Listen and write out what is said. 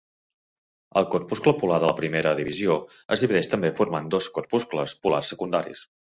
El corpuscle polar de la primera divisió es divideix també formant dos corpuscles polars secundaris.